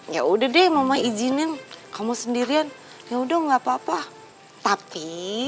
ya udah deh mama izinin kamu sendirian yaudah nggak apa apa tapi